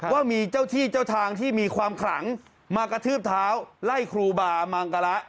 ว่ามีเจ้าที่เจ้าทางที่มีความขลังมากระทืบเท้าไล่ครูบามังกะละ